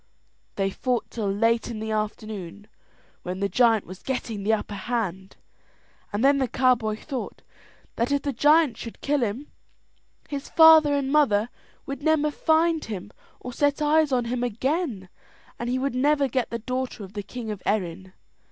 They fought till late in the afternoon, when the giant was getting the upper hand; and then the cowboy thought that if the giant should kill him, his father and mother would never find him or set eyes on him again, and he would never get the daughter of the king of Erin.